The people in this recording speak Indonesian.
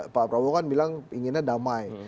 pak prabowo kan bilang inginnya damai